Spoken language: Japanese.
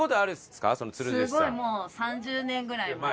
すごいもう３０年ぐらい前に。